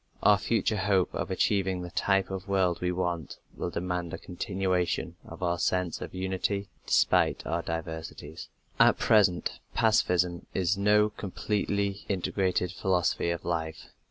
Our future hope of achieving the type of world we want will demand a continuation of our sense of unity, despite our diversities. At present pacifism is no completely integrated philosophy of life.